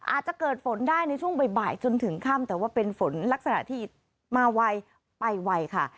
อาจจะเกิดฝนได้ในช่วงบ่ายจนถึงค่ำแต่ว่าเป็นฝนลักษณะที่มาไวไปไวค่ะ